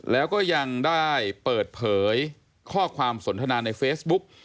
แล้วก็ยังได้เปิดเผยข้อความสนทนาในเฟซบุ๊ก